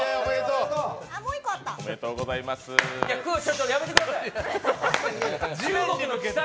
いや、ちょっとやめてください。